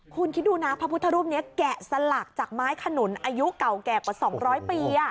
คุณคิดดูนะพระพุทธรูปนี้แกะสลักจากไม้ขนุนอายุเก่าแก่กว่า๒๐๐ปี